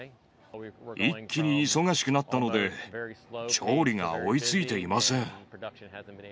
一気に忙しくなったので、調理が追いついていません。